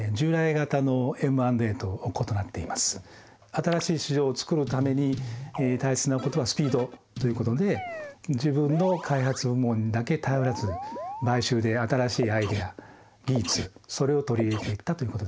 新しい市場を作るために大切なことはスピードということで自分の開発部門にだけに頼らず買収で新しいアイデア技術それを取り入れていったということであります。